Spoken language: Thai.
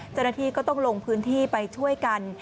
จริงที่ก็ต้องลงพื้นที่ไปช่วยกัน